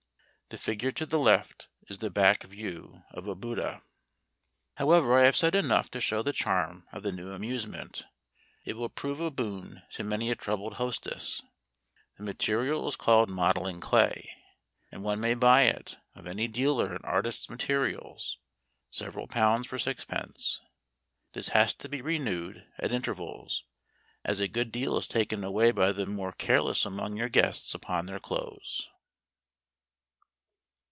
(The figure to the left is the back view of a Buddha.) However, I have said enough to show the charm of the new amusement. It will prove a boon to many a troubled hostess. The material is called modelling clay, and one may buy it of any dealer in artists' materials, several pounds for sixpence. This has to be renewed at intervals, as a good deal is taken away by the more careless among your guests upon their clothes.